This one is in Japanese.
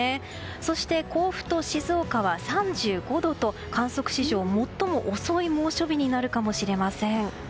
そして、甲府と静岡は３５度と観測史上最も遅い猛暑日になるかもしれません。